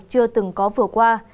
chưa từng có vừa qua